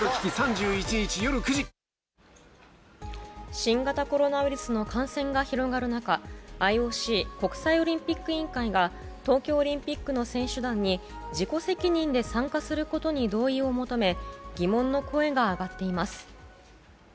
新型コロナウイルスの感染が広がる中ＩＯＣ・国際オリンピック委員会が東京オリンピックの選手団に自己責任で参加することに同意を求め疑問の声が上がっています。